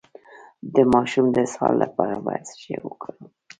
د ماشوم د اسهال لپاره باید څه شی ورکړم؟